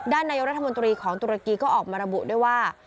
นายกรัฐมนตรีของตุรกีก็ออกมาระบุด้วยว่า